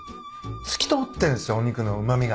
透き通ってんすよお肉のうま味が。